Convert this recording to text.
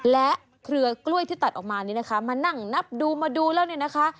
และเครือกล้วยที่ตัดออกมานี่นะคะมานั่งนับดูมาดูแล้วเนี่ยนะคะ